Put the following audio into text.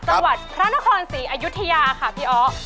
สวัสดิ์พระนครศรีอยุธยาค่ะพี่อ๋อ